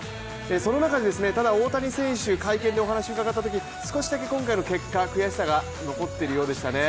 その中で、ただ大谷選手、会見でお話伺ったとき少しだけ今回の結果、悔しさが残っているようでしたね。